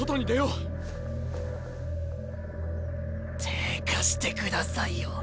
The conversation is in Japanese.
手ぇ貸してくださいよ